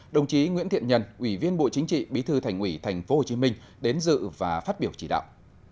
đồng chí nguyễn thiện nhân ủy viên bộ chính trị bí thư thành ủy tp hcm đến dự và phát biểu chỉ đạo